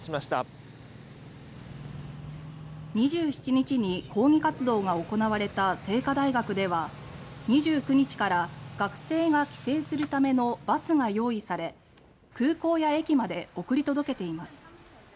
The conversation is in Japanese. ２７日に抗議活動が行われた清華大学では２９日から学生が帰省するためのバスが用意され空港や駅まで送り届けています。